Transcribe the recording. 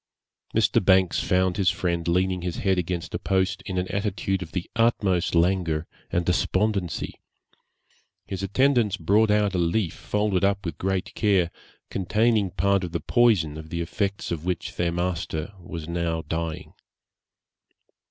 Mr. Banks found his friend leaning his head against a post, in an attitude of the utmost languor and despondency. His attendants brought out a leaf folded up with great care, containing part of the poison of the effects of which their master was now dying.